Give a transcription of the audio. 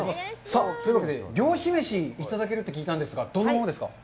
さあ、というわけで漁師飯いただけるって聞いたんですけど、どんなものですか。